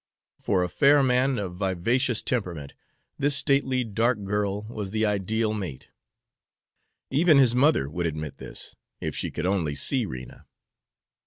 For a fair man of vivacious temperament, this stately dark girl was the ideal mate. Even his mother would admit this, if she could only see Rena.